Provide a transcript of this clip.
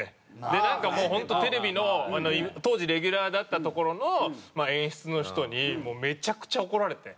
でなんかもう本当テレビの当時レギュラーだったところの演出の人にもうめちゃくちゃ怒られて。